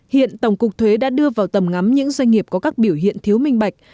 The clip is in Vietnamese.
hiện tổng cục thuế đã đưa vào tầm ngắm những doanh nghiệp có các biểu hiện thiếu minh bạch